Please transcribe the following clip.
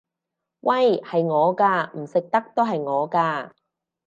喂！係我㗎！唔食得都係我㗎！